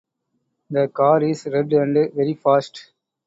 The car is red and very fast.